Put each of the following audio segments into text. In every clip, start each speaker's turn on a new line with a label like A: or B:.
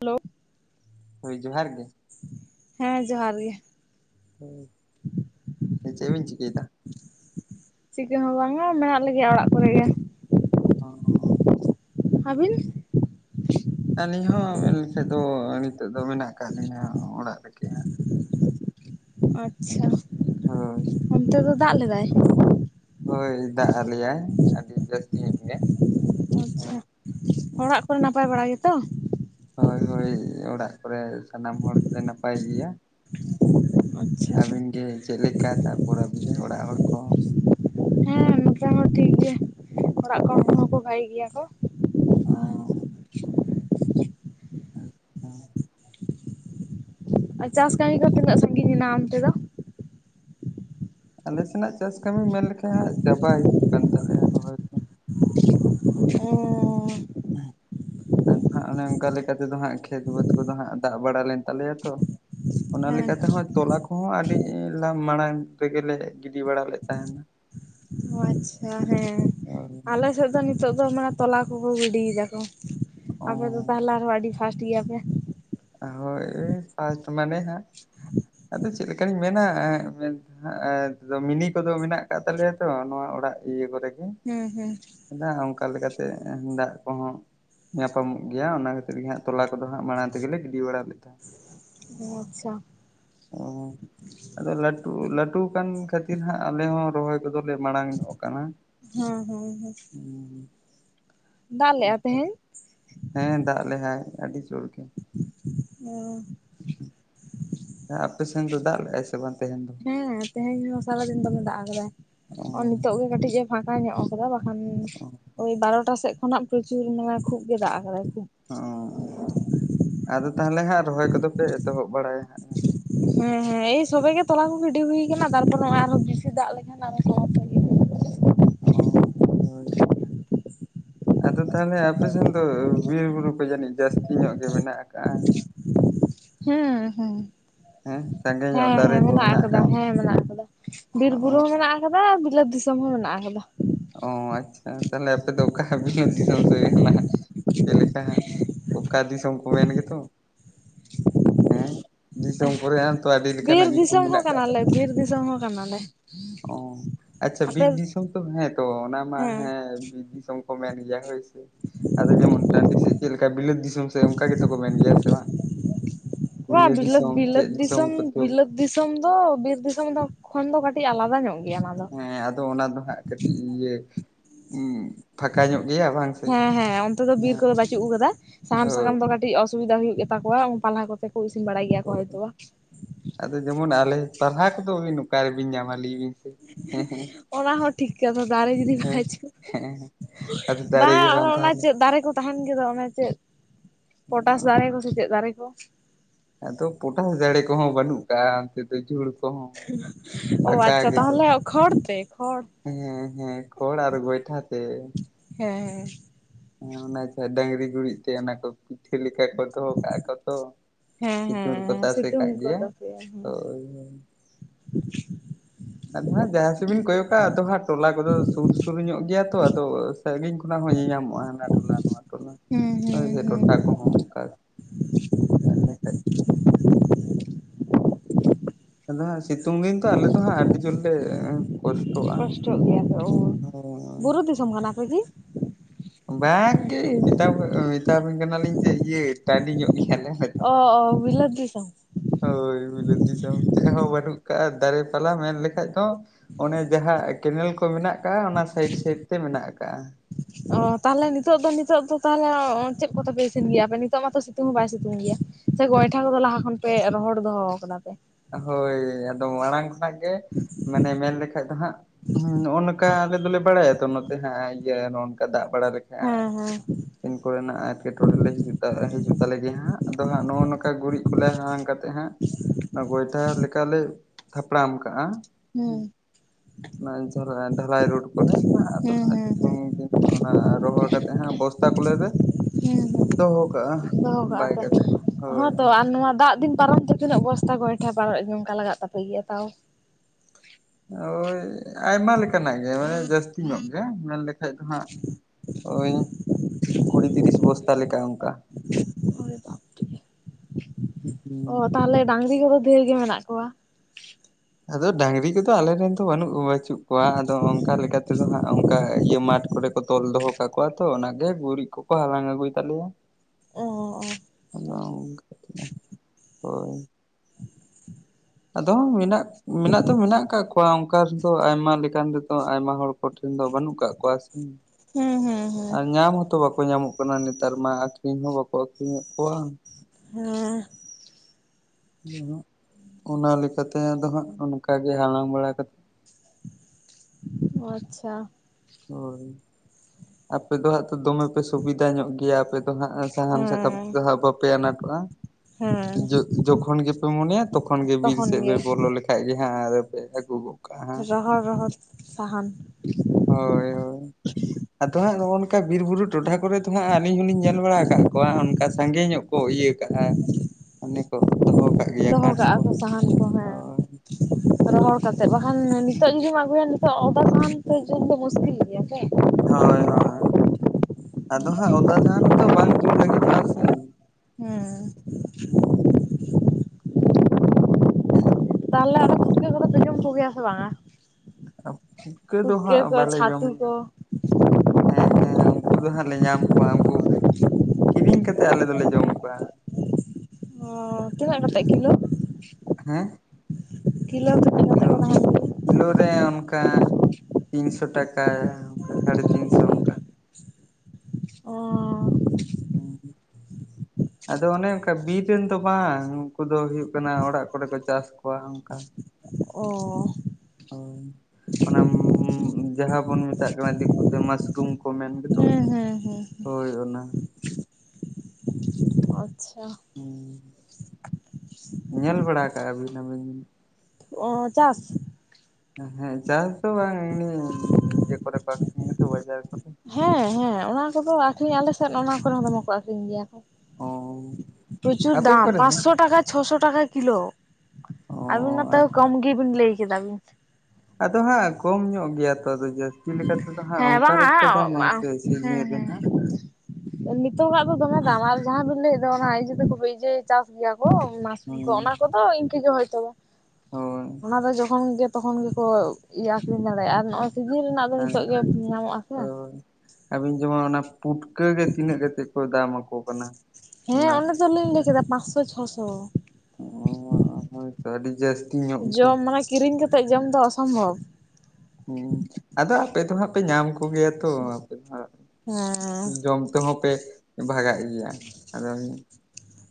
A: Hello
B: ᱦᱳᱭ ᱡᱚᱦᱟᱨ ᱜᱮ
A: ᱦᱮᱸ ᱡᱚᱦᱟᱨ ᱜᱮ
B: ᱦᱮ ᱪᱮᱫᱵᱤᱧ ᱪᱤᱠᱟᱹᱭ ᱮᱫᱟ
A: ᱪᱤᱠᱟᱹ ᱦᱚᱸ ᱵᱟᱝᱟ ᱢᱮᱱᱟᱜ ᱞᱮᱜᱮ ᱚᱲᱟᱜ ᱠᱚᱨᱮ ᱜᱮ
B: ᱚ
A: ᱟᱹᱵᱤᱱ
B: ᱟᱹᱞᱤᱧ ᱦᱚᱸ ᱢᱮᱱ ᱞᱮᱠᱷᱟ ᱫᱚ ᱱᱤᱛᱚᱜ ᱫᱚ ᱢᱮᱱᱟᱜ ᱟᱠᱟᱫ ᱞᱤᱧᱟᱹ ᱚᱲᱟᱜ ᱨᱮᱜᱮ ᱦᱟᱸᱜ
A: ᱟᱪᱪᱷᱟ
B: ᱦᱳᱭ
A: ᱚᱱᱛᱮ ᱫᱚ ᱫᱟᱜ ᱞᱮᱫᱟᱭ [inaudible]
B: ᱦᱳᱭ ᱫᱟᱜ ᱟᱫᱞᱮᱭᱟᱭ ᱟᱹᱰᱤ ᱡᱟᱹᱥᱛᱤ ᱧᱚᱜ ᱜᱮ
A: ᱟᱪᱪᱷᱟ ᱚᱲᱟᱜ ᱠᱚᱨᱮ ᱱᱟᱯᱟᱭ ᱵᱟᱲᱟ ᱜᱮᱛᱚ
B: ᱦᱳᱭ ᱦᱳᱭ ᱚᱲᱟᱜ ᱠᱚᱨᱮ ᱥᱟᱱᱟᱢ ᱦᱚᱲ ᱜᱮᱞᱮ ᱱᱟᱯᱟᱭ ᱜᱮᱭᱟ
A: ᱟᱪᱪᱷᱟ
B: ᱟᱹᱵᱤᱱ ᱜᱮ ᱪᱮᱫᱞᱮᱠᱟ ᱛᱟᱯᱚᱨᱵᱤᱱ ᱚᱲᱟᱜ ᱦᱚᱲ ᱠᱚ
A: ᱮᱠᱷᱚᱱ ᱦᱚᱸ ᱴᱷᱤᱠ ᱜᱮ [inaudible] ᱚᱲᱟᱜ ᱠᱚ ᱠᱚᱦᱚᱸ ᱠᱚ ᱵᱷᱟᱜᱤ ᱜᱮᱭᱟ ᱠᱚ
B: ᱚ ᱟᱪᱪᱷᱟ
A: ᱟᱨ ᱪᱟᱥ ᱠᱟᱹᱢᱤ ᱠᱚ ᱛᱤᱱᱟᱹᱜ [inaudible] ᱥᱟᱺᱜᱤᱧᱮ ᱮᱱᱟ ᱚᱱᱛᱮ ᱫᱚ
B: ᱟᱞᱮ ᱥᱮᱱᱟᱜ ᱪᱟᱥ ᱠᱟᱹᱢᱤ ᱢᱮᱱ ᱞᱮᱠᱷᱟᱱᱡ ᱦᱟᱜ ᱪᱟᱵᱟᱭ ᱦᱤᱡᱩᱜ ᱠᱟᱱ ᱛᱟᱞᱮᱭᱟ ᱨᱚᱦᱚᱭ
A: ᱦᱮᱸ ᱚ
B: ᱦᱮᱸ ᱟᱫᱚ ᱦᱟᱸᱜ ᱚᱱᱮ ᱚᱱᱠᱟ ᱞᱮᱠᱟ ᱛᱮᱫᱚ ᱦᱟᱸᱜ ᱠᱷᱮᱛ ᱵᱟᱹᱛ ᱠᱚᱫᱚ ᱦᱟᱜ ᱫᱟᱜ ᱵᱟᱲᱟ ᱞᱮᱱ ᱛᱟᱞᱮᱭᱟ ᱛᱚ ᱚᱱᱟ ᱞᱮᱠᱟ
A: ᱦᱮᱸ
B: ᱛᱮᱦᱚᱸ ᱛᱚᱞᱟ ᱠᱚᱦᱚᱸ ᱟᱹᱰᱤ ᱢᱟᱲᱟᱝ ᱨᱮᱜᱮᱞᱮ ᱜᱤᱰᱤ ᱵᱟᱲᱟ ᱞᱮᱫ ᱛᱟᱦᱮᱱᱟ
A: ᱟᱪᱪᱷᱟ ᱦᱮᱸ
B: ᱦᱳᱭ
A: ᱟᱞᱮ ᱥᱮᱫ ᱫᱚ ᱱᱤᱛᱚᱜ ᱫᱚ ᱢᱟᱱᱮ ᱛᱚᱞᱟ ᱠᱚᱠᱚ ᱜᱤᱰᱤᱭᱮᱫᱟ ᱠᱚ
B: ᱚ
A: ᱟᱯᱮ ᱫᱚ ᱛᱟᱦᱞᱮ ᱟᱨᱦᱚ ᱟᱹᱰᱤ ᱯᱷᱟᱥᱴ ᱜᱮᱭᱟ ᱯᱮ
B: ᱦᱳᱭ ᱯᱷᱟᱥᱴ ᱢᱟᱱᱮ ᱦᱟᱸᱜ ᱟᱫᱚ ᱪᱮᱫᱮᱠᱞᱤᱧ ᱢᱮᱱᱟ ᱢᱤᱱᱤ ᱠᱚᱫᱚ ᱢᱮᱱᱟᱜ ᱟᱠᱟᱫ ᱛᱟᱞᱮᱭᱟ ᱛᱚ ᱱᱚᱣᱟ ᱚᱲᱟᱜ ᱤᱭᱟᱹ ᱠᱚᱨᱮᱜᱤ
A: ᱦᱮᱸ ᱦᱮᱸ
B: ᱚᱱᱠᱟ ᱞᱮᱠᱟᱛᱮ ᱫᱟᱜ ᱠᱚᱦᱚᱸ ᱧᱟᱯᱟᱢᱚᱜ ᱜᱮᱭᱟ ᱚᱱᱟ ᱠᱷᱟᱹᱛᱤᱨ ᱜᱮ ᱦᱟᱸᱜ ᱛᱚᱞᱟ ᱠᱚᱫᱚ ᱦᱟᱸᱜ ᱢᱟᱲᱟᱝ ᱛᱮᱜᱮᱞᱮ ᱜᱤᱰᱤ ᱵᱟᱲᱟ ᱞᱮᱫ ᱛᱟᱦᱮ
A: ᱚ ᱟᱪᱪᱷᱟ
B: ᱚ ᱟᱫᱚ ᱞᱟᱹᱴᱩ ᱞᱟᱹᱴᱩ ᱠᱟᱱ ᱠᱷᱟᱹᱛᱤᱨ ᱦᱟᱸᱜ ᱟᱞᱮ ᱦᱚᱸ ᱨᱚᱦᱚᱭ ᱠᱚᱫᱚᱞᱮ ᱢᱟᱲᱟᱝ ᱭᱚᱜ ᱟᱠᱟᱱᱟ
A: ᱦᱮᱸ ᱦᱮᱸ ᱦᱮᱸ ᱫᱟᱜ ᱞᱮᱫᱼᱟ ᱛᱮᱦᱮᱸᱧ
B: ᱦᱮᱸ ᱫᱟᱜ ᱞᱮ-ᱟᱭ ᱟᱹᱰᱤ ᱡᱳᱨ ᱜᱮ
A: ᱚ
B: ᱦᱮᱸ ᱟᱯᱮᱱ ᱫᱚ ᱫᱟᱜ ᱞᱮᱫ ᱟᱭ ᱵᱟᱝ ᱛᱮᱦᱮᱱ ᱫᱚ
A: ᱦᱮᱸ ᱛᱮᱦᱮᱧ ᱥᱟᱨᱟ ᱫᱤᱱ ᱫᱚᱢᱮ ᱫᱟᱜ ᱟᱠᱟᱫᱟᱭ
B: ᱚ
A: ᱱᱤᱛᱚᱜ ᱜᱮ ᱠᱟᱹᱴᱤᱡ ᱯᱷᱟᱠᱟ ᱧᱚᱜ ᱟᱠᱟᱫᱟ ᱵᱟᱠᱷᱟᱱ ᱳᱭ ᱵᱟᱨᱚᱴᱟ ᱥᱮᱫ ᱠᱷᱚᱱᱟᱜ ᱯᱨᱚᱪᱩᱨ ᱢᱟᱱᱮ ᱠᱷᱩᱯ ᱜᱮᱭ ᱫᱟᱜ ᱟᱠᱟᱫᱟᱭ
B: ᱚ ᱟᱫᱚ ᱛᱟᱦᱚᱞᱮ ᱦᱟᱸᱜ ᱨᱚᱦᱚᱭ ᱠᱚᱫᱚ ᱯᱮ ᱮᱛᱚᱦᱚᱵ ᱵᱟᱲᱟᱭᱟ ᱦᱟᱸᱜ
A: ᱦᱮᱸ ᱦᱮᱸ ᱮᱭ ᱥᱚᱵᱮᱜ ᱜᱮ ᱛᱚᱞᱟ ᱠᱚ ᱜᱤᱰᱤ ᱦᱩᱭ ᱠᱟᱱᱟ ᱛᱟᱨᱯᱚᱨ ᱱᱚᱜ ᱟᱨᱚ ᱵᱤᱥᱤ ᱫᱟᱜ ᱞᱮᱠᱷᱟᱱ ᱜᱮ
B: ᱚ ᱦᱳᱭ ᱟᱫᱚ ᱛᱟᱦᱚᱞᱮ ᱟᱯᱮᱥᱮᱱ ᱫᱚ ᱵᱤᱨ ᱵᱩᱨᱩ ᱠᱚ ᱡᱟᱹᱱᱤᱡ ᱡᱟᱹᱥᱛᱤ ᱧᱚᱜ ᱜᱮ ᱢᱮᱱᱟᱜ ᱟᱠᱟᱜᱼᱟ
A: ᱦᱩᱸ ᱦᱩᱸ᱾
B: ᱦᱮᱸ ᱥᱟᱸᱜᱮ ᱧᱚᱜ
A: ᱦᱮᱸ
B: ᱫᱟᱨᱮ
A: ᱦᱮᱸ
B: ᱠᱚ
A: ᱢᱮᱱᱟᱜ ᱟᱠᱟᱫᱟ
B: ᱟᱠᱟᱜᱼᱟ
A: ᱦᱮᱸ ᱢᱮᱱᱟᱜ ᱟᱠᱟᱫᱟ ᱵᱤᱨ
B: ᱚ
A: ᱵᱩᱨᱩ ᱦᱚᱸ ᱢᱮᱱᱟᱜᱼᱟᱼᱼ ᱟᱠᱟᱫᱟ ᱵᱤᱞᱟᱹᱛ ᱫᱤᱥᱚᱢ ᱦᱚᱸ ᱢᱮᱱᱟᱜ ᱟᱠᱟᱫᱟ᱾
B: ᱚᱸ ᱟᱪᱪᱷ᱾ ᱟᱨ ᱛᱟᱦᱚᱞᱮ‌ ᱟᱯᱮ ᱫᱚ ᱚᱠᱟ ᱵᱤᱨᱹ ᱫᱤᱥᱚᱢ ᱥᱮ ᱚᱱᱟ ᱪᱮᱜ ᱞᱮᱠᱟ ᱦᱟᱸᱜ ᱚᱠᱟ ᱫᱤᱥᱚᱢ? ᱠᱚ ᱢᱮᱱ ᱜᱮᱛᱚ, ᱦᱮᱸ ᱫᱤᱥᱚᱢ ᱠᱚᱨᱮ ᱮᱱᱼᱼ
A: ᱵᱤᱨ ᱫᱤᱥᱚᱢ ᱦᱚᱸ ᱠᱟᱱᱟ ᱞᱮ ᱵᱤᱨ ᱫᱤᱥᱚᱢ ᱦᱚᱸ ᱠᱟᱱᱟ ᱞᱮ᱾
B: ᱚᱸ ᱟᱪᱪᱷᱟ ᱵᱤᱨ ᱫᱤᱥᱚᱢ ᱛᱚ ᱦᱮᱸ ᱛᱚ ᱚᱱᱟ ᱢᱟ ᱦᱮᱸ ᱵᱤᱨ ᱫᱤᱥᱚᱢᱼᱼ ᱠᱚ ᱢᱮᱱ ᱜᱮᱭᱟ ᱦᱚᱭ ᱥᱮ᱾ ᱟᱫᱚ ᱡᱮᱢᱚᱱ ᱴᱟᱺᱰᱤ ᱥᱮᱫ ᱪᱮᱫᱠᱟ ᱵᱤᱞᱟᱹᱛ ᱫᱤᱥᱚᱢ ᱥᱮᱫ ᱚᱱᱠᱟ ᱜᱮᱛᱚ ᱠᱚ ᱢᱮᱱ ᱜᱮᱭᱟ ᱥᱮ ᱵᱟᱝ
A: ᱵᱟᱝ
B: ᱠᱩᱲᱤᱭᱟᱹ
A: ᱵᱤᱞᱟᱹᱛ
B: ᱫᱤᱥᱚᱢ ᱪᱮᱫ
A: ᱵᱤᱞᱟᱹᱛ
B: ᱫᱤᱥᱚᱢ ᱠᱚᱪᱚ᱾
A: ᱵᱤᱞᱟᱹᱛ ᱫᱤᱥᱚᱢ ᱫᱚ ᱵᱤᱨ ᱫᱤᱥᱚᱢ ᱫᱚ ᱠᱷᱚᱱ ᱫᱚ ᱠᱟᱹᱴᱤᱡ ᱟᱞᱟᱫᱟ ᱧᱚᱜ ᱜᱮᱭᱟ᱾ ᱚᱱᱟ ᱫᱚ
B: ᱦᱮᱸ ᱟᱫᱚ ᱚᱱᱟ ᱫᱚ ᱦᱟᱸᱜ ᱠᱟᱹᱴᱤᱡ ᱤᱭᱟᱹ ᱩᱸᱼᱼ
A: ᱦᱮᱸ ᱦᱮᱸ ᱚᱱᱛᱮ ᱫᱚ ᱵᱤᱨ
B: ᱦᱮᱸ
A: ᱠᱚᱫᱚ ᱵᱟᱪᱩᱜ ᱟᱠᱟᱫᱟ ᱥᱟᱦᱟᱱ
B: ᱦᱳᱭ
A: ᱥᱟᱠᱟᱢ ᱫᱚ ᱠᱟᱹᱴᱤᱡ ᱚᱥᱼᱼ ᱥᱩᱵᱤᱫᱟ ᱦᱩᱭᱩᱜ ᱜᱮᱛᱟ ᱠᱚᱣᱟ ᱚᱱ ᱯᱟᱞᱦᱟ ᱠᱚᱛᱮ ᱠᱚ ᱤᱥᱤᱱ ᱵᱟᱲᱟᱭ ᱜᱮᱭᱟ ᱠᱚ
B: ᱦᱳᱭ
A: ᱦᱚᱭᱛᱳ ᱟᱨᱼᱼ
B: ᱟᱫᱚ ᱡᱮᱢᱚᱱ ᱟᱞᱮ ᱯᱟᱞᱦᱟ ᱠᱩᱫᱚ ᱟᱹᱵᱤᱱ ᱚᱠᱟ ᱨᱮᱵᱤᱱ ᱧᱟᱢᱟ ᱞᱟᱹᱭ ᱵᱤᱱ? ᱥᱮ ᱦᱮᱸ ᱦᱮᱸ
A: ᱤᱦᱤ ᱚᱱᱟ ᱦᱚᱸ ᱴᱷᱤᱠ ᱠᱟᱛᱷᱟ ᱫᱟᱨᱮ ᱡᱩᱫᱤ
B: ᱦᱮᱸ
A: ᱵᱟᱭ ᱪᱩᱜᱼᱼ
B: ᱦᱮᱸ ᱟᱫᱚ
A: ᱵᱟ
B: ᱫᱟᱨᱮ ᱜᱮ
A: ᱚᱱᱮ
B: ᱵᱟᱝ
A: ᱚᱱᱟ
B: ᱛᱟᱦᱮᱱᱟ
A: ᱪᱮᱫ ᱫᱟᱨᱮ ᱠᱚ ᱛᱟᱦᱮᱱ ᱜᱮᱫᱚ ᱚᱱᱟ ᱪᱮᱫ? ᱯᱚᱴᱟᱥ ᱫᱟᱨᱮ ᱠᱚ ᱥᱮ ᱪᱮᱜ ᱫᱟᱨᱮ ᱠᱚ᱾
B: ᱟᱫᱚ ᱯᱚᱴᱟᱥ ᱡᱟᱲᱮ ᱠᱚᱦᱚᱸ ᱵᱟᱹᱱᱩᱜ ᱠᱟᱜ-ᱟ ᱱᱚᱛᱮ ᱫᱚ ᱡᱷᱩᱲᱼᱼ
A: ᱳ ᱟᱪᱪᱷᱟ ᱛᱟᱦᱚᱞᱮ‌ ᱠᱷᱚᱲ ᱛᱮ ᱠᱷᱚᱲᱼᱼ
B: ᱦᱮᱸ ᱦᱮᱸ ᱠᱷᱚᱲ ᱟᱨ ᱜᱚᱭᱴᱷᱟ ᱛᱮ᱾
A: ᱦᱮᱸ ᱦᱮᱸ᱾
B: ᱦᱮᱸ ᱚᱱᱟ ᱡᱟᱦᱟᱸ ᱰᱟᱹᱝᱨᱤ ᱜᱩᱨᱤᱡ ᱛᱮ ᱚᱱᱟ ᱠᱚ ᱯᱤᱴᱷᱟᱹ ᱞᱮᱠᱟ ᱠᱚᱼᱼ ᱫᱚᱦᱚ ᱠᱟᱜ-ᱟ ᱠᱚ ᱛᱚ
A: ᱦᱮᱸ
B: ᱥᱤᱛᱩᱝ ᱨᱮ ᱠᱚ
A: ᱦᱮᱸ
B: ᱛᱟᱥᱮ ᱠᱟᱜ
A: ᱥᱤᱛᱩᱝ ᱠᱚ
B: ᱜᱮᱭᱟ
A: ᱛᱟᱯᱮᱭᱟ
B: ᱛᱚ
A: ᱦᱮᱸ
B: ᱳᱭᱼᱼ ᱟᱫᱚ ᱦᱟᱸᱜ ᱡᱟᱦᱟᱸ ᱥᱮᱜ ᱵᱤᱱ ᱠᱚᱭᱚᱠᱟ ᱟᱫᱚ ᱦᱟᱸᱜ ᱴᱚᱞᱟ ᱠᱚᱫᱚ ᱥᱩᱨ ᱥᱩᱨ ᱧᱚᱜ ᱜᱮᱭᱟ ᱛᱚ ᱟᱫᱚ ᱚᱥᱼᱼ ᱥᱟᱺᱜᱤᱧ ᱠᱷᱚᱱ ᱦᱚᱸ ᱧᱮᱞ ᱧᱟᱢᱚᱜ-ᱟ ᱦᱟᱱᱟ ᱴᱚᱞᱟ ᱱᱚᱣᱟᱼᱼ ᱴᱚᱞᱟ
A: ᱦᱩᱸ
B: ᱦᱚᱭ
A: ᱦᱩᱸ
B: ᱥᱮ ᱴᱚᱴᱷᱟ
A: ᱦᱩᱸ
B: ᱠᱚᱦᱚᱸ ᱚᱱᱠᱟ, ᱢᱮᱱ ᱞᱮᱠᱷᱟᱡᱼᱼ ᱟᱫᱚ ᱦᱟᱸᱜ ᱥᱤᱛᱩᱝ ᱫᱤᱱ ᱛᱚ ᱟᱞᱮ ᱫᱚ ᱦᱟᱸᱜ ᱟᱹᱰᱤ ᱡᱩᱨᱞᱮ ᱮᱸ ᱠᱚᱥᱴᱚᱜ-ᱟ᱾
A: ᱴᱚᱜ ᱜᱮᱭᱟ ‌ᱯᱮ ᱳᱭᱼᱼ
B: ᱦᱚᱭ ᱦᱚᱭ᱾
A: ᱥᱚᱢ ᱠᱟᱱᱟ ᱯᱮ ᱜᱤ?
B: ᱵᱟᱝ ᱜᱮ ᱢᱮᱛᱟᱢ ᱢᱮᱛᱟ ᱵᱤᱱ ᱠᱟᱱᱟ ᱞᱤᱧ ᱡᱮ ᱤᱭᱟᱹᱼᱼ ᱴᱟᱺᱰᱤ ᱧᱚᱜ ᱜᱤᱭᱟ ᱞᱮ ᱟᱞᱮ ᱫᱚ᱾
A: ᱚ ᱚ ᱵᱤᱞᱟᱹᱛ ᱫᱤᱥᱚᱢ
B: ᱦᱳᱭ ᱵᱤᱞᱟᱹᱛ ᱫᱤᱥᱚᱢ ᱪᱮᱜ ᱦᱚᱸ ᱵᱟᱱᱩᱜ ᱠᱟᱜ-ᱟ ᱫᱟᱨᱮ ᱯᱟᱞᱟ ᱢᱮᱱ ᱞᱮᱠᱷᱟᱡ ᱛᱚᱼᱼ ᱚᱱᱮ ᱡᱟᱦᱟᱸ ᱠᱮᱱᱮᱞ ᱠᱚ ᱢᱮᱱᱟᱜ ᱟᱠᱟᱜ-ᱟ ᱚᱱᱟ ᱥᱟᱹᱭᱤᱰ ᱥᱟᱹᱭᱤᱰ ᱛᱮ ᱢᱮᱱᱟᱜ ᱟᱠᱟᱜ-ᱟ᱾
A: ᱚᱸ ᱛᱟᱦᱚᱞᱮ ᱱᱤᱛᱚᱜ ᱫᱚ ᱱᱤᱛᱚᱜ ᱫᱚ ᱛᱟᱦᱚᱞᱮ ‌ᱚᱸ ᱪᱮᱫ ᱠᱚᱛᱮ ᱯᱮ ᱤᱥᱤᱱ ᱜᱮᱭᱟ ᱟᱯᱮ ᱱᱤᱛᱚᱜ ᱢᱟᱛᱚ ᱥᱤᱛᱩᱝ ᱦᱚᱸ ᱵᱟᱭ ᱥᱤᱛᱩᱝ ᱜᱮᱭᱟ? ᱥᱮ ᱜᱚᱭᱴᱷᱟ ᱠᱚᱫᱚ ᱞᱟᱦᱟ ᱠᱷᱚᱱ ᱯᱮ ᱨᱚᱦᱚᱲ ᱫᱚᱦᱚ ᱣᱟᱠᱟᱫᱟ ᱯᱮ?
B: ᱦᱳᱭ ᱟᱫᱚ ᱢᱟᱬᱟᱝ ᱠᱷᱚᱱᱟᱜ ᱜᱮ ᱢᱟᱱᱮ ᱢᱮᱱ ᱞᱮᱠᱷᱟᱡ ᱫᱚ ᱦᱟᱸᱜᱼᱼ ᱦᱩᱸ ᱱᱚᱜ-ᱚ ᱱᱚᱝᱠᱟ ᱟᱞᱮ ᱫᱚᱞᱮ ᱵᱟᱲᱟᱭᱟ ᱛᱚ ᱱᱚᱛᱮ ᱦᱟᱸᱜ ᱤᱭᱟᱹ ᱱᱚᱜ-ᱚ ᱱᱚᱝᱠᱟ ᱫᱟᱜ ᱵᱟᱲᱟ ᱞᱮᱠᱷᱟᱡ‌ ᱦᱟᱸᱜᱼᱼ
A: ᱦᱮᱸ ᱦᱮᱸ
B: ᱛᱤᱱ ᱠᱚᱨᱮ ᱱᱟᱜ ᱮᱴᱠᱮᱴᱚᱬᱮ ᱞᱮ ᱦᱤᱡᱩᱜ ᱛᱟ ᱦᱤᱡᱩᱜ ᱛᱟᱞᱮ ᱜᱮᱭᱟ ᱦᱟᱸᱜ ᱟᱫᱚ ᱦᱟᱸᱜ ᱱᱚᱜ-ᱚ ᱱᱚᱝᱠᱟ ᱜᱩᱨᱤᱡ ᱠᱚᱞᱮ ᱦᱟᱞᱟᱝ ᱠᱟᱛᱮᱜ ᱦᱟᱸᱜ ᱚᱱᱟ ᱜᱚᱭᱴᱷᱟ ᱞᱮᱠᱟ ᱞᱮ ᱛᱷᱟᱯᱲᱟᱢ ᱠᱟᱜ-ᱟ᱾
A: ᱦᱩᱸ
B: ᱚᱱᱟ ᱡᱟᱨᱟᱭ ᱰᱷᱟᱞᱟᱭ ᱨᱳᱰ ᱠᱚᱨᱮ ᱦᱟᱸᱜ ᱟᱫᱚ
A: ᱦᱩᱸ
B: ᱦᱟᱸᱜ
A: ᱦᱩᱸ
B: ᱥᱤᱛᱩᱝ ᱫᱤᱱᱼᱼ ᱱᱚᱜ-ᱚᱱᱟ ᱨᱚᱦᱚᱲ ᱠᱟᱛᱮᱜ ᱦᱟᱸᱜ ᱵᱚᱥᱛᱟ ᱠᱚᱞᱮ ᱨᱮᱼᱼ
A: ᱦᱩᱸ ᱫᱚᱦᱚ ᱠᱟᱜ-ᱟ
B: ᱵᱟᱭ
A: ᱯᱮ
B: ᱠᱟᱛᱮᱫ
A: ᱦᱚᱸ
B: ᱦᱳᱭ
A: ᱛᱚ ᱟᱨ ᱱᱚᱣᱟ ᱫᱟᱜᱼᱼ ᱫᱤᱱ ᱯᱟᱨᱚᱢ ᱛᱮ ᱛᱤᱱᱟᱹᱜ ᱵᱚᱥᱛᱟ ᱜᱚᱭ ᱴᱷᱟ ᱯᱟᱨᱚᱢ ᱱᱚᱝᱠᱟ ᱞᱟᱜᱟ ᱛᱟᱯᱮ ᱜᱮᱭᱟ ᱛᱟᱣ?
B: ᱚᱻᱳᱭ ᱟᱭᱢᱟ ᱞᱮᱠᱟ ᱱᱟᱜ ᱜᱮ ᱢᱟᱱᱮ ᱡᱟᱹᱥᱛᱤ ᱧᱚᱜ ᱜᱮ ᱢᱮᱱ ᱞᱮᱠᱼᱼ ᱠᱷᱟᱡ ᱫᱚ ᱦᱟᱸᱜ ᱳᱭ ᱠᱩᱲᱤ ᱛᱤᱨᱤᱥ ᱵᱚᱥᱛᱟ ᱞᱮᱠᱟ᱾ ᱚᱱᱠᱟ ᱦᱩᱸ
A: ᱚ
B: ᱦᱩᱸ
A: ᱛᱟᱦᱚᱞᱮ ᱰᱟᱝᱨᱤ ᱠᱚ ᱰᱷᱤᱨ ᱜᱮ ᱢᱮᱱᱟᱜ ᱠᱚᱣᱟ᱾
B: ᱟᱫᱚ ᱰᱟᱝᱨᱤ ᱠᱚᱫᱚ ᱟᱞᱮᱨᱮᱱ ᱛᱚ ᱵᱟᱹᱱᱩᱜ ᱠᱚᱣᱟ᱾ ᱠᱚᱣᱟ ᱟᱫᱚ ᱚᱱᱠᱟ ᱞᱮᱠᱟᱛᱮᱫᱚ ᱦᱟᱸᱜ ᱚᱱᱠᱟ ᱤᱭᱟᱹ ᱢᱟᱴᱷ ᱠᱚᱨᱮ ᱠᱚ ᱛᱚᱞ ᱫᱚᱦᱚ ᱠᱟᱜ ᱠᱚᱣᱟ ᱛᱚ ᱚᱱᱟᱜᱮ ᱜᱩᱨᱤᱡ ᱠᱚᱠᱚ ᱦᱟᱞᱟᱝ ᱟᱹᱜᱩᱭ ᱛᱟᱞᱮᱭᱟ
A: ᱚ ᱚ
B: [unintelligible] ᱦᱳᱭ ᱟᱫᱚ ᱢᱮᱱᱟᱜ ᱢᱮᱱᱟᱜ ᱫᱚ ᱢᱮᱱᱟᱜ ᱟᱠᱟᱫ ᱠᱚ ᱚᱱᱠᱟ ᱨᱮᱫᱚ ᱟᱭᱢᱟ ᱞᱮᱠᱟᱱ ᱛᱮᱫᱚ ᱟᱭᱢᱟ ᱦᱚᱲ ᱠᱚᱴᱷᱮᱱ ᱫᱚ ᱵᱟᱹᱱᱩᱜ ᱠᱟᱜ ᱠᱚᱣᱟ ᱥᱮ
A: ᱦᱮᱸ ᱦᱩᱸ ᱦᱩᱸ
B: ᱟᱨ ᱧᱟᱢ ᱦᱚᱸᱛᱚ ᱵᱟᱠᱚ ᱧᱟᱢᱚᱜ ᱠᱟᱱᱟ ᱱᱮᱛᱟᱨ ᱢᱟ ᱟᱠᱷᱨᱤᱧ ᱦᱚᱸ ᱵᱟᱠᱚ ᱟᱠᱷᱨᱤᱧᱮᱫ ᱠᱚᱣᱟ
A: ᱦᱮᱸ
B: ᱫᱚ ᱦᱟᱸᱜ ᱚᱱᱟ ᱞᱮᱠᱟ ᱛᱮ ᱫᱚ ᱦᱟᱸᱜ ᱚᱱᱠᱟ ᱜᱮ ᱦᱟᱞᱟᱝ ᱵᱟᱲᱟ ᱠᱟᱛᱼᱼ
A: ᱟᱪᱪᱷᱟ
B: ᱦᱳᱭ ᱟᱯᱮ ᱫᱚ ᱦᱟᱸᱜ ᱛᱚ ᱫᱚᱢᱮ ᱯᱮ ᱥᱩᱵᱤᱫᱟ ᱧᱚᱜ ᱜᱮᱭᱟ ᱟᱯᱮ ᱦᱟᱸᱜ ᱥᱟᱦᱟᱱ ᱥᱟᱠᱟᱢ
A: ᱦᱮᱸ
B: ᱛᱮᱫᱚ ᱦᱟᱸᱜ ᱵᱟᱯᱮ ᱟᱱᱟᱴᱚᱜᱼᱟ᱾
A: ᱦᱮᱸ
B: ᱡᱚᱠᱷᱚᱱ ᱜᱮᱯᱮ ᱢᱚᱱᱮᱭᱟ ᱛᱚᱠᱷᱚᱱ ᱜᱮ ᱵᱤᱨ ᱥᱮᱫ ᱵᱮ ᱵᱚᱞᱚ ᱞᱮᱠᱟ ᱠᱷᱟᱡᱜᱮ ᱦᱟᱸ ᱟᱨᱚᱯᱮ ᱟᱜᱩ
A: ᱨᱚᱦᱚᱲ ᱨᱚᱦᱚᱲ ᱥᱟᱦᱟᱱ
B: ᱦᱳᱭ ᱦᱳᱭ ᱟᱫᱚ ᱦᱟᱸᱜ ᱱᱚᱜᱼᱚ ᱱᱚᱝᱠᱟ ᱵᱤᱨ ᱵᱩᱨᱩ ᱴᱚᱴᱷᱟ ᱠᱚᱨᱮ ᱫᱚ ᱦᱟᱸᱜ ᱟᱹᱞᱤᱧ ᱦᱚᱸᱞᱤᱧ ᱧᱮᱞ ᱵᱟᱲᱟ ᱠᱟᱜ ᱠᱚᱣᱟ ᱚᱱᱠᱟ ᱥᱟᱸᱜᱮ ᱧᱚᱜ ᱠᱚ ᱤᱭᱟᱹ ᱠᱟᱜᱼᱟ᱾ ᱚᱱᱤ ᱠᱚ ᱫᱚᱦᱚ ᱠᱟᱜ ᱜᱮᱭᱟ᱾
A: ᱫᱚᱦᱚ ᱠᱟᱜᱼᱟ ᱠᱚ ᱥᱟᱦᱟᱱ ᱠᱚ ᱦᱮᱸ
B: ᱦᱳᱭ
A: ᱨᱚᱦᱚᱲ ᱠᱟᱛᱮ ᱵᱟᱠᱷᱟᱱ ᱱᱤᱛᱚᱜ ᱡᱩᱫᱤᱢ ᱟᱹᱜᱩᱭᱟ ᱛᱚ ᱚᱫᱟ ᱥᱟᱦᱟᱱᱛᱮ ᱡᱩᱞ ᱫᱚ ᱢᱩᱥᱠᱤᱞ ᱜᱮᱭᱟ ᱛᱚ
B: ᱦᱳᱭ ᱦᱳᱭ ᱟᱫᱚ ᱦᱟᱸᱜ ᱚᱫᱟ ᱥᱟᱦᱟᱱ ᱛᱚ ᱵᱟᱝ ᱡᱩᱞ ᱞᱟᱹᱜᱤᱫᱚᱜᱼᱟ᱾ ᱥᱮ
A: ᱦᱩᱸ ᱛᱟᱦᱚᱞᱮ ᱟᱨᱚ ᱯᱩᱴᱠᱟᱹ ᱠᱚᱫ ᱯᱮ ᱡᱚᱢ ᱠᱚᱜᱮᱭᱟ ᱥᱮ ᱵᱟᱝᱟ
B: ᱟ ᱯᱷᱩᱴᱠᱟᱹ ᱫᱚ
A: ᱯᱩᱴᱠᱟᱹ
B: ᱦᱟᱸᱜ
A: ᱠᱚ
B: ᱵᱟᱞᱮ
A: ᱪᱷᱟᱹᱛᱩ
B: ᱡᱚᱢᱮᱭᱟ
A: ᱠᱚ
B: ᱦᱮᱸ ᱦᱮᱸ ᱩᱱᱠᱩ ᱫᱚ ᱦᱟᱸᱜ ᱞᱮ ᱧᱟᱢ ᱠᱚᱣᱟ ᱩᱱᱠᱩ ᱠᱤᱨᱤᱧ ᱠᱟᱛᱮᱜ ᱟᱞᱮ ᱫᱚᱞᱮ ᱡᱚᱢ ᱠᱚᱣᱟ᱾
A: ᱚᱻ ᱛᱤᱱᱟᱹᱜ ᱠᱟᱛᱮ ᱠᱤᱞᱳ
B: ᱦᱮᱸ
A: ᱠᱤᱞᱟᱹ [unintelligible]
B: ᱠᱤᱞᱳ ᱨᱮ ᱚᱱᱠᱟ ᱛᱤᱱ ᱥᱚ ᱴᱟᱠᱟ ᱚᱱᱠᱟ ᱥᱟᱲᱮ ᱛᱤᱱ ᱥᱚ ᱚᱱᱠᱟ
A: ᱚᱻ
B: [inaudible] ᱟᱫᱚ ᱚᱱᱮ ᱚᱱᱠᱟ ᱵᱤᱨ ᱨᱮᱱ ᱫᱚ ᱵᱟᱝ ᱩᱱᱠᱩ ᱫᱚ ᱦᱩᱭᱩᱜ ᱠᱟᱱᱟ ᱚᱲᱟᱜ ᱠᱚᱨᱮ ᱠᱚ ᱪᱟᱥ ᱠᱚᱣᱟ ᱚᱱᱠᱟ
A: [inaudible] ᱚᱻ
B: ᱩᱻ ᱚᱱᱟ ᱡᱟᱦᱟᱸ ᱵᱚᱱ ᱢᱮᱛᱟᱜ ᱠᱟᱱᱟ ᱫᱤᱠᱩᱛᱮ ᱢᱟᱥᱨᱩᱢ ᱠᱚ ᱢᱮᱱ ᱜᱮᱫᱚ ᱦᱳᱭ ᱚᱱᱟ
A: [unintelligible] ᱟᱪᱪᱷᱟ
B: [unintelligible] ᱧᱮᱞ ᱵᱟᱲᱟ ᱟᱠᱟᱜᱼᱟ ᱟᱹᱵᱤᱱᱵᱤᱱ
A: ᱚ ᱪᱟᱥ
B: ᱦᱮᱸ ᱦᱮᱸ ᱪᱟᱥ ᱫᱚ ᱵᱟᱝ ᱮᱢᱤ ᱤᱭᱟᱹ ᱠᱚᱨᱮ ᱠᱚ ᱟᱠᱷᱨᱤᱧᱟ ᱛᱚ ᱵᱟᱡᱟᱨ ᱠᱚᱨᱮ᱾
A: ᱦᱮᱸ ᱦᱮᱸ ᱚᱱᱟ ᱠᱚᱫᱚ ᱟᱠᱷᱨᱤᱧ ᱟᱞᱮᱥᱮᱫ ᱚᱱᱟ ᱠᱚᱨᱮ ᱦᱚᱸ ᱫᱚᱢᱮᱠᱚ ᱟᱠᱷᱨᱤᱧ ᱜᱮᱭᱟ ᱠᱚ᱾
B: ᱚ
A: [inaudible] ᱯᱨᱚᱪᱩᱨ
B: ᱟᱯᱮ
A: ᱫᱟᱢ
B: ᱠᱚᱨᱮ ᱦᱚᱸ
A: ᱯᱟᱸᱥᱥᱚ ᱴᱟᱠᱟ ᱪᱷᱚᱥᱚ ᱴᱟᱠᱟ ᱠᱤᱞᱳ᱾
B: ᱚ
A: ᱟᱵᱤᱱ ᱢᱟ ᱛᱟᱣ ᱠᱚᱢ ᱜᱮᱵᱤᱱ ᱞᱟᱹᱭ ᱠᱮᱫᱟ ᱵᱤᱱ᱾
B: ᱟᱫᱚ ᱦᱟᱸᱜ ᱠᱚᱢ ᱧᱚᱜ ᱜᱮᱭᱟ ᱛᱚ ᱟᱫᱚ ᱡᱟ
A: ᱦᱮᱸ ᱵᱟᱝᱟ [unintelligible]
B: ᱥᱤᱡᱤᱱ
A: ᱦᱮᱸ
B: ᱨᱮ ᱦᱟᱸᱜ
A: ᱦᱮᱸ ᱱᱤᱛᱚᱜᱟᱜ ᱫᱚ ᱫᱚᱢᱮ ᱫᱟᱢᱟ ᱡᱟᱦᱟᱸ ᱵᱤᱱ ᱞᱟᱹᱭᱮᱫ ᱫᱚ ᱚᱱᱟ ᱤᱡᱟᱹ ᱛᱮᱠᱚ ᱤᱡᱟᱹᱭ ᱪᱟᱥ ᱜᱮᱭᱟ ᱠᱚ ᱢᱟᱥᱩᱨᱩᱢ ᱠᱚ
B: ᱦᱩᱸ
A: ᱚᱱᱟ ᱠᱚᱫᱚ ᱤᱱᱠᱟᱹ ᱜᱮ ᱦᱚᱭ ᱛᱚ᱾
B: ᱦᱳᱭ
A: [inaudible] ᱚᱱᱟ ᱫᱚ ᱡᱚᱠᱷᱚᱱ ᱜᱮ ᱛᱚᱠᱷᱚᱱ ᱜᱮᱠᱚ ᱤᱭᱟᱹ ᱟᱹᱠᱷᱨᱤᱧ ᱫᱟᱲᱮᱭᱟᱜᱼᱟ ᱟᱨ ᱱᱚᱜᱼᱚᱭ [unintelligible] ᱨᱮᱱᱟᱜ ᱫᱚ ᱱᱤᱛᱚᱜ ᱜᱮ ᱧᱟᱢᱚᱜᱼᱟ ᱥᱮ
B: ᱟᱵᱤᱱ ᱡᱮᱢᱚᱱ ᱚᱱᱟ ᱯᱩᱴᱠᱟᱹ ᱜᱮ ᱛᱤᱱᱟᱹᱜ ᱠᱟᱛᱮᱫ ᱠᱚ ᱫᱟᱢ ᱟᱠᱚ ᱠᱟᱱᱟ?
A: ᱦᱮᱸ
B: ᱚᱱᱟ
A: ᱚᱱᱮ ᱛᱚᱞᱤᱧ ᱞᱟᱹᱭ ᱠᱮᱫᱟ ᱯᱟᱸᱥᱥᱚ ᱪᱷᱚᱥᱚ
B: ᱦᱳᱭᱛᱚ ᱟᱹᱰᱤ ᱡᱟᱹᱥᱛᱤ ᱧᱚᱜ
A: [inaudible]
B: ᱜᱮ
A: ᱡᱚᱢ ᱢᱟᱱᱮ ᱠᱤᱨᱤᱧ ᱠᱟᱛᱮ ᱡᱚᱢ ᱫᱚ ᱚᱥᱚᱢᱵᱷᱚᱵ᱾
B: ᱦᱩᱸ ᱟᱫᱚ ᱟᱯᱮ ᱫᱚ ᱦᱟᱸᱜ ᱯᱮ ᱧᱟᱢ ᱠᱚᱜᱮᱭᱟ ᱛᱚ ᱟᱯᱮ ᱫᱚ ᱦᱟᱸᱜ
A: ᱦᱮᱸ
B: [inaudible] ᱡᱚᱢ ᱛᱮᱦᱚᱸ ᱯᱮ ᱵᱷᱟᱜᱟᱜ ᱜᱮᱭᱟ᱾ ᱭᱟ ᱟᱫᱚ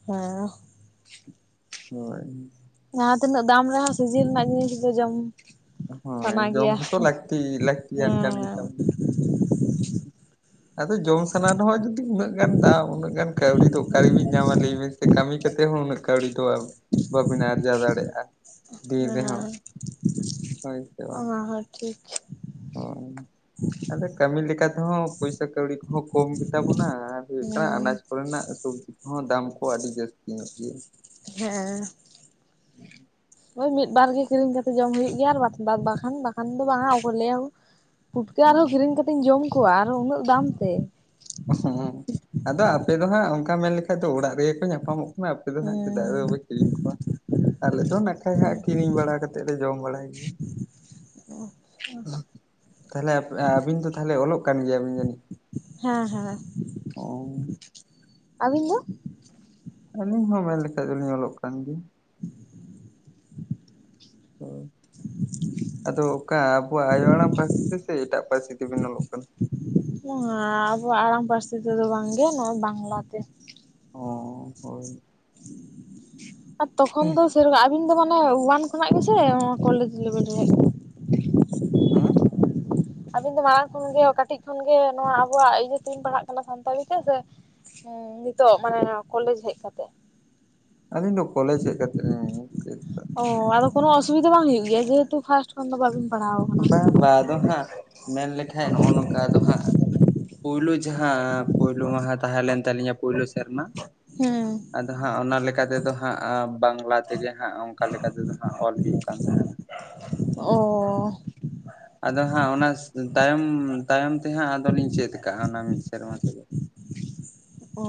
A: [inaudible] ᱦᱮᱸ
B: ᱦᱳᱭ
A: ᱡᱟᱦᱟᱸ ᱛᱤᱱᱟᱹᱜ ᱫᱟᱢ ᱨᱮᱦᱚᱸ ᱥᱤᱡᱤᱱ ᱨᱮᱱᱟᱜ ᱜᱤ [unintelligible] ᱡᱚᱢ
B: ᱦᱳᱭ
A: ᱥᱟᱱᱟ
B: ᱡᱚᱢ
A: ᱜᱮᱭᱟ
B: ᱦᱚᱸᱛᱚ ᱞᱟᱹᱠᱛᱤ ᱞᱟᱹᱠᱛᱤᱭᱟᱱ ᱠᱟᱱ ᱜᱮ
A: ᱦᱮᱸ
B: ᱛᱟᱵᱚᱱ ᱟᱫᱚ ᱡᱚᱢ ᱥᱟᱱᱟ ᱨᱮᱦᱚᱸ ᱡᱩᱫᱤ ᱩᱱᱟᱹᱜ ᱜᱟᱱ ᱫᱟᱢ ᱩᱱᱟᱹᱜ ᱜᱟᱱ ᱠᱟᱣᱰᱤ ᱫᱚ ᱚᱠᱟ ᱨᱮᱵᱤᱱ ᱧᱟᱢᱟ ᱞᱟᱹᱭ ᱵᱤᱱ ᱥᱮ ᱠᱟᱹᱢᱤ ᱠᱟᱛᱮ ᱦᱚᱸ ᱩᱱᱟᱹᱜ ᱠᱟᱣᱰᱤ ᱫᱚ ᱵᱟᱵᱤᱱ ᱟᱨᱡᱟᱣ ᱫᱟᱲᱮᱭᱟᱜᱼᱟ ᱫᱤᱱ ᱨᱮᱦᱚᱸ᱾
A: ᱦᱮᱸ
B: ᱦᱳᱭ ᱥᱮ ᱵᱟᱝ
A: ᱚᱱᱟ ᱦᱚᱸ ᱴᱷᱤᱠ᱾
B: ᱦᱳᱭ ᱟᱫᱟ ᱠᱟᱹᱢᱤ ᱞᱮᱠᱟ ᱛᱮᱦᱚᱸ ᱯᱚᱭᱥᱟ ᱠᱟᱣᱰᱤ ᱠᱚᱦᱚᱸ ᱠᱚᱢ ᱜᱮ ᱛᱟᱵᱚᱱᱟ ᱟᱨ ᱦᱩᱭᱩᱜ ᱠᱟᱱᱟ ᱟᱱᱟᱡᱽ
A: ᱦᱮᱸ
B: ᱠᱚ ᱨᱮᱱᱟᱜ ᱥᱚᱵᱽᱡᱤ ᱠᱚᱦᱚᱸ ᱫᱟᱢ ᱠᱚ ᱟᱹᱰᱤ ᱡᱟᱹᱥᱛᱤ ᱧᱚᱜ ᱜᱮᱭᱟ᱾
A: [inaudible] ᱦᱮᱸ᱾
B: [unintelligible]
A: ᱦᱳᱭ ᱢᱤᱫ ᱵᱟᱨ ᱜᱮ ᱠᱤᱨᱤᱧ ᱠᱟᱛᱮᱜ ᱡᱚᱢ ᱦᱩᱭᱩᱜ ᱜᱮᱭᱟ ᱟᱨ [unintelligible] ᱵᱟᱠᱷᱟᱱ ᱵᱟᱠᱷᱟᱱ ᱫᱚ ᱵᱟᱝᱟ [unintelligible] ᱯᱩᱴᱠᱟᱹ ᱟᱨᱦᱚᱸ ᱠᱤᱨᱤᱧ ᱠᱟᱛᱮ ᱤᱧ ᱡᱚᱢ ᱠᱚᱣᱟ ᱟᱨᱚᱸ ᱩᱱᱟᱹᱜ ᱫᱟᱢ ᱛᱮ᱾
B: [unintelligible] ᱟᱫᱚ ᱟᱯᱮ ᱫᱚ ᱦᱟᱸᱜ ᱚᱱᱠᱟ ᱢᱮᱱ ᱞᱮᱠᱷᱟᱡ ᱫᱚ ᱚᱲᱟᱜ ᱨᱮᱜᱮ ᱠᱚ ᱧᱟᱯᱟᱢᱚᱜ [unintelligible] ᱟᱯ ᱫᱚ ᱦᱟᱸᱜ ᱪᱮᱫᱟᱜ ᱫᱚ
A: ᱦᱩᱸ
B: ᱯᱮ ᱠᱤᱨᱤᱧ ᱠᱚᱣᱟ᱾ ᱟᱞᱮ ᱫᱚ ᱱᱟᱠᱷᱟᱭ ᱦᱟᱸᱜ ᱠᱤᱨᱤᱧ ᱵᱟᱲᱟ ᱠᱟᱛᱮᱜ ᱞᱮ ᱡᱚᱢ ᱵᱟᱲᱟᱭ ᱜᱮᱭᱟ᱾ [unintelligible] ᱛᱟᱦᱞᱮ ᱟᱹᱵᱤᱱ ᱫᱚ ᱛᱟᱦᱚᱞᱮ ᱚᱞᱚᱜ ᱠᱟᱱ ᱜᱮᱭᱟᱵᱤᱱ ᱡᱟᱹᱱᱤᱡ
A: ᱦᱮᱸ ᱦᱮᱸ
B: ᱚ
A: [unintelligible] ᱟᱹᱵᱤᱱ ᱫᱚ᱾
B: ᱟᱞᱤᱧ ᱦᱚᱸ ᱢᱮᱱ ᱞᱮᱠᱷᱟᱡ ᱫᱚ ᱞᱤᱧ ᱚᱞᱚᱜ ᱠᱟᱱ ᱜᱮᱭᱟ᱾
A: [inaudible]
B: [inaudible] ᱦᱩᱸ [inaudible] ᱟᱫᱚ ᱚᱠᱟ ᱟᱵᱚᱣᱟᱜ ᱟᱭᱳ ᱟᱲᱟᱝ ᱯᱟᱹᱨᱥᱤ ᱛᱮᱥᱮ ᱮᱴᱟᱜ ᱯᱟᱹᱨᱥᱤ ᱛᱮᱵᱤᱱ ᱚᱞᱚᱜ ᱠᱟᱱᱟ?
A: [unintelligible] ᱟᱵᱚᱣᱟᱜ ᱟᱲᱟᱝ ᱯᱟᱹᱨᱥᱤ ᱛᱮᱫᱚ ᱵᱟᱝ ᱜᱮ ᱱᱚᱜᱼᱚᱭ ᱵᱟᱝᱞᱟ ᱛᱮ᱾
B: ᱚ ᱦᱳᱭ᱾
A: [inaudible] ᱟᱨ ᱛᱚᱠᱷᱚᱱ ᱫᱚ [unintelligible] ᱩᱱᱫᱚ ᱢᱟᱱᱮ ᱳᱣᱟᱱ ᱠᱷᱚᱱᱟᱜ ᱜᱮᱥᱮ ᱠᱚᱞᱮᱡᱽ ᱞᱮᱵᱮᱞ ᱨᱮ
B: ᱦᱩᱸ
A: ᱟᱵᱤᱱ ᱫᱚ ᱢᱟᱲᱟᱝ ᱠᱷᱚᱱ ᱜᱮ ᱠᱟᱹᱴᱤᱡ ᱠᱷᱚᱱ ᱜᱮ ᱱᱚᱣᱟ ᱟᱵᱚᱣᱟᱜ ᱤᱭᱟᱹ ᱛᱮᱵᱤᱧ ᱯᱟᱲᱦᱟᱜ ᱠᱟᱱᱟ ᱥᱟᱱᱛᱟᱲᱤ ᱛᱮ ᱥᱮ ᱦᱮᱸ ᱱᱤᱛᱚᱜ ᱢᱟᱱᱮ ᱠᱚᱞᱮᱡᱽ ᱦᱮᱡ ᱠᱟᱛᱮᱜ᱾
B: ᱟᱹᱞᱤᱧ ᱫᱚ ᱠᱚᱞᱮᱡᱽ ᱦᱮᱡ ᱠᱟᱛᱮᱫ ᱞᱤᱧ ᱪᱮᱫ ᱠᱟᱜ᱾
A: ᱚ ᱟᱫᱚ ᱠᱚᱱᱚ ᱚᱥᱩᱵᱤᱫᱟ ᱵᱟᱝ ᱦᱳᱭᱳ ᱜᱮᱭᱟ ᱡᱮᱦᱮᱛᱩ ᱯᱷᱟᱥᱴ ᱠᱷᱚᱱ ᱫᱚ ᱵᱟᱹᱵᱤᱱ ᱯᱟᱲᱦᱟᱣ ᱟᱠᱟᱱᱟ
B: ᱵᱟᱫᱚ ᱦᱟᱸᱜ ᱢᱮᱱ ᱞᱮᱠᱷᱟ ᱱᱚᱜᱼᱚ ᱱᱚᱝᱠᱟ ᱫᱚ ᱦᱟᱸᱜ ᱯᱩᱭᱞᱳ ᱡᱟᱦᱟᱸ ᱯᱩᱭᱞᱳ ᱢᱟᱦᱟ ᱛᱟᱦᱮᱸ ᱞᱮᱱ ᱛᱟᱞᱤᱧᱟ ᱯᱩᱭᱞᱩ ᱥᱮᱨᱢᱟ
A: ᱦᱮᱸ
B: ᱟᱫᱚ ᱦᱟᱜ ᱚᱱᱟ ᱞᱮᱠᱟ ᱛᱮᱫᱚ ᱦᱟᱜ ᱵᱟᱝᱞᱟ ᱛᱮ ᱡᱟᱦᱟ ᱚᱝᱠᱟ ᱞᱮᱠᱟ ᱛᱮᱫᱚ ᱦᱟᱜ ᱚᱞ ᱦᱩᱭᱩᱜ ᱠᱟᱱ ᱛᱟᱦᱮᱜ
A: ᱚ
B: ᱟᱫᱚ ᱦᱟᱜ ᱚᱱᱟ ᱛᱟᱭᱚᱢ ᱛᱟᱭᱚᱢ ᱛᱮ ᱦᱟᱜ ᱟᱫᱚᱞᱤᱧ ᱪᱮᱫ ᱞᱮᱠᱟᱜ-ᱟ ᱚᱱᱟ ᱢᱤᱫ ᱥᱮᱨᱢᱟ ᱛᱮᱜᱮ
A: ᱚ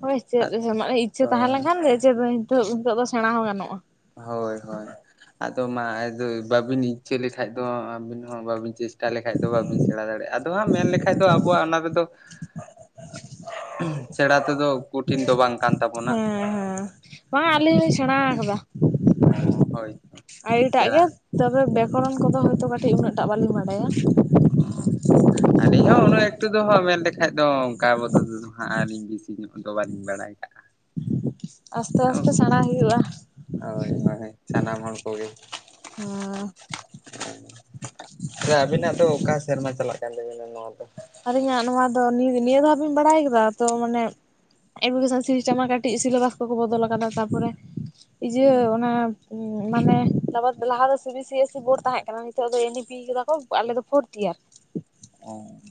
A: ᱦᱳᱭ ᱪᱮᱫ ᱤᱪᱪᱷᱟᱹ ᱛᱟᱦᱮᱸ ᱞᱮᱱᱠᱷᱟᱱ [unintelligible] ᱦᱤᱛᱳᱜ ᱫᱚ ᱥᱮᱬᱟ ᱦᱚᱸ ᱜᱟᱱᱚᱜᱼᱟ
B: ᱦᱳᱭ ᱦᱳᱭ ᱟᱫᱚ ᱢᱟ ᱟᱫᱚ ᱵᱟᱵᱤᱱ ᱤᱪᱪᱷᱟ ᱞᱮᱠᱷᱟᱡ ᱫᱚ ᱟᱹᱵᱤᱱ ᱦᱚᱸ ᱵᱟᱵᱤᱱ ᱪᱮᱥᱴᱟ ᱞᱮᱠᱷᱟᱡ ᱫᱚ ᱵᱟᱵᱤᱱ ᱥᱮᱬᱟ ᱫᱟᱲᱮᱜᱼᱟ ᱢᱮᱱ ᱞᱮᱠᱷᱟᱡ ᱫᱚ ᱟᱵᱚᱣᱟᱜ ᱚᱱᱟ ᱨᱮᱫᱚ ᱥᱮᱬᱟ ᱛᱮᱫᱚ ᱠᱩᱴᱤᱱ ᱫᱚ ᱵᱟᱝ ᱠᱟᱱ ᱛᱟᱵᱚᱱᱟ
A: ᱦᱮᱸ ᱦᱮᱸ ᱵᱟᱝ ᱟᱞᱧᱤᱧ ᱥᱮᱬᱟ ᱟᱠᱟᱫᱟ
B: ᱚ ᱦᱳᱭ
A: ᱟᱹᱰᱤᱴᱟᱜ ᱜᱮ
B: ᱥᱮᱬᱲᱟ
A: ᱛᱚᱵᱮ ᱵᱮᱠᱚᱨᱚᱱ ᱠᱚᱫᱚ ᱦᱳᱭᱛᱳ ᱠᱟᱹᱴᱤᱡ ᱩᱱᱟᱹᱜ ᱴᱟᱜ ᱵᱟᱹᱞᱤᱧ ᱵᱟᱰᱟᱭᱟ
B: ᱟᱹᱞᱤᱧ ᱦᱚᱸ ᱩᱱᱟᱹᱜ ᱮᱠᱴᱩ ᱫᱚ ᱢᱮᱱ ᱞᱮᱠᱷᱟᱡ ᱫᱚ ᱚᱱᱠᱟ [unintelligible] [unintelligible] ᱵᱟᱹᱞᱤᱧ ᱵᱟᱲᱟᱭ ᱠᱟᱜᱼᱟ
A: ᱟᱥᱛᱮ ᱟᱥᱛᱮ ᱥᱮᱬᱟᱭ ᱦᱩᱭᱩᱜᱼᱟ
B: ᱦᱳᱭ ᱦᱳᱭ ᱥᱟᱱᱟᱢ ᱦᱚᱲ ᱠᱚᱜᱮ
A: ᱚ
B: ᱟᱵᱤᱱᱟᱜ ᱫᱚ ᱚᱠᱟ ᱥᱮᱨᱢᱟ ᱪᱟᱞᱟᱜ ᱠᱟᱱ ᱛᱟᱵᱤᱱᱟ ᱱᱚᱣᱟ ᱫᱚ
A: ᱟᱞᱤᱧᱟᱜ ᱱᱚᱣᱟ ᱫᱚ ᱱᱤᱭᱟ ᱫᱷᱟᱣ ᱵᱤᱱ ᱵᱟᱲᱟᱭ ᱠᱟᱫᱟ ᱛᱚ ᱢᱟᱱᱮ ᱮᱰᱩᱠᱮᱥᱚᱱ ᱥᱤᱥᱴᱮᱢ ᱢᱟ ᱠᱟᱹᱴᱤᱡ ᱥᱤᱞᱮᱵᱟᱥ ᱠᱚᱠᱚ ᱵᱚᱫᱚᱞ ᱠᱟᱫᱟ ᱛᱟᱯᱚᱨᱮ ᱤᱭᱟᱹ
B: ᱦᱩᱸ
A: ᱚᱱᱟ ᱢᱟᱱᱮ ᱛᱟᱯᱚᱨ ᱞᱟᱦᱟ ᱫᱚ C B S C board ᱛᱟᱦᱮᱜ ᱠᱟᱱᱟ ᱱᱤᱛᱚᱜ ᱫᱚ ᱮᱱ ᱵᱤ ᱯᱤ [unintelligible] ᱠᱮᱫᱟ ᱠᱚ ᱟᱞᱮᱫᱚ ᱯᱷᱳᱨᱛ ᱤᱭᱟᱨ
B: ᱚ [unintelligible]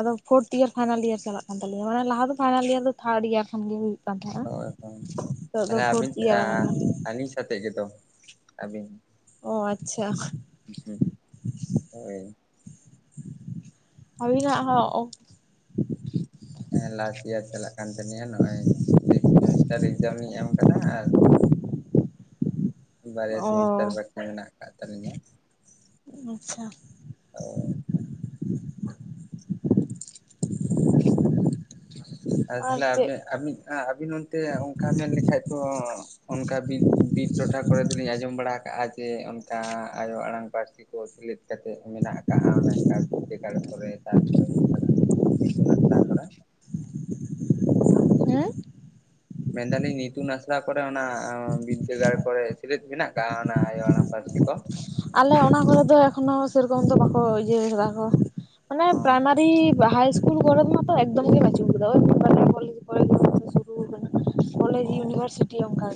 A: ᱟᱫᱚ ᱯᱷᱳᱨᱛ ᱤᱭᱟᱨ ᱯᱷᱟᱭᱱᱮᱞ ᱤᱭᱟᱨ ᱪᱟᱞᱟᱜ ᱠᱟᱱ ᱛᱟᱞᱮᱭᱟ ᱢᱟᱱᱮ ᱞᱟᱦᱟ ᱫᱚ ᱯᱷᱟᱭᱱᱮᱞ ᱤᱭᱟᱨ ᱫᱚ ᱛᱷᱟᱨᱰ ᱤᱭᱟᱨ ᱠᱷᱚᱱ ᱜᱮ ᱦᱩᱭᱩᱜ ᱠᱟᱱ ᱛᱟᱦᱮᱜ-ᱟ
B: ᱦᱳᱭ ᱦᱳᱭ
A: ᱱᱤᱛᱚᱜ ᱫᱚ ᱯᱷᱳᱨᱛ ᱤᱭᱟᱨ ᱠᱟᱱᱟ
B: ᱛᱮᱛᱮᱡ ᱜᱮᱛᱚ ᱟᱵᱤᱱ
A: ᱚ ᱟᱪᱪᱷᱟ
B: ᱦᱩ ᱦᱳᱭ
A: ᱟᱵᱤᱱᱟᱜ ᱦᱚᱸ
B: ᱦᱮᱸ ᱞᱟᱥᱴ ᱤᱭᱟᱨ ᱪᱟᱞᱟᱜ ᱠᱟᱱ ᱛᱟᱞᱤᱧᱟ ᱱᱚᱜ-ᱚᱭ ᱥᱤᱠᱥ ᱥᱮᱢᱤᱥᱴᱟᱨ ᱮᱠᱡᱟᱢ ᱤᱧ ᱮᱢ ᱠᱟᱫᱟ ᱟᱨ ᱵᱟᱨᱭᱟ
A: ᱚ
B: ᱥᱮᱢᱤᱥᱴᱟᱨ ᱵᱟᱠᱤ ᱢᱮᱱᱟᱜ ᱠᱟᱜ ᱛᱟᱞᱤᱧᱟ
A: ᱟᱪᱪᱷᱟ [unintelligible]
B: [inaudible] ᱟᱨ ᱛᱟᱦᱚᱞᱮ ᱟᱵᱤᱱ ᱟᱵᱤᱱ ᱟᱵᱤᱱ ᱚᱱᱛᱮ ᱚᱝᱠᱟ ᱢᱮᱱ ᱞᱮᱠᱷᱟᱡ ᱛᱚ ᱚᱱᱠᱟ ᱵᱤᱨ, ᱵᱤᱨ ᱴᱚᱴᱷᱟ ᱠᱚᱨᱮ ᱫᱚᱞᱤᱧ ᱟᱡᱚᱢ ᱵᱟᱲᱟ ᱟᱠᱟᱜᱼᱟ ᱡᱮ ᱚᱱᱠᱟ ᱟᱭᱳ ᱟᱲᱟᱝ ᱯᱟᱹᱨᱥᱤ ᱠᱚ ᱥᱮᱞᱮᱫ ᱠᱟᱛᱮᱜ ᱢᱮᱱᱟᱜ ᱠᱟᱜ-ᱟ ᱚᱱᱮ ᱚᱱᱠᱟ ᱵᱤᱫᱫᱟᱹᱜᱟᱲ ᱠᱚᱨᱮ ᱛᱟᱨᱯᱚᱨᱮ ᱦᱩᱭᱩᱜ ᱠᱟᱱᱟ ᱤᱛᱩᱱ ᱟᱠᱷᱟᱲᱟ ᱠᱚᱨᱮ
A: ᱦᱮᱸ
B: ᱢᱮᱱᱫᱟ ᱞᱤᱧ ᱤᱛᱩᱱ ᱟᱥᱲᱟ ᱠᱚᱨᱮ ᱚᱱᱟ ᱵᱤᱫᱟ. ᱜᱟᱲ ᱠᱚᱨᱮ ᱢᱮᱱᱟᱜ ᱠᱟᱜᱼᱟ ᱚᱱᱟ ᱟᱭᱳ ᱟᱲᱟᱝ ᱯᱟᱹᱨᱥᱤ ᱠᱚ
A: ᱟᱞᱮ ᱚᱱᱟ ᱠᱚᱨᱮ ᱫᱚ ᱮᱠᱷᱚᱱᱚ ᱥᱮᱨᱚᱠᱚᱢ ᱫᱚ ᱵᱟᱠᱚ ᱤᱭᱟᱹ ᱠᱟᱫᱟ ᱠᱚ ᱢᱟᱱᱮ
B: ᱚ
A: ᱯᱨᱟᱭᱢᱟᱨᱤ [unintelligible] ᱦᱟᱭ ᱤᱥᱠᱩᱞ ᱠᱚᱨᱮ ᱢᱟᱛᱚ ᱮᱠᱫᱚᱢ ᱜᱮ ᱵᱟᱹᱪᱩᱜ ᱠᱟᱫᱟ ᱳᱭ [inaudible] [unintelligible] ᱠᱚᱞᱮᱡᱽ
B: ᱚ
A: ᱤᱭᱩᱱᱤᱵᱷᱟᱨᱥᱤᱴᱤ ᱚᱝᱠᱟ